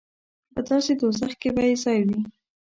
په داسې دوزخ کې به یې ځای وي.